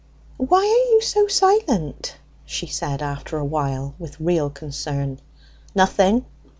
"Why are you so silent?" she said, after a while, with real concern. "Nothing."